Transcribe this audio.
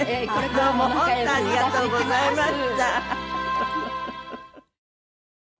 どうも本当ありがとうございました。